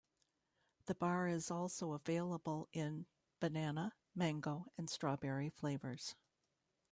The bar is also available in banana, mango and strawberry flavors.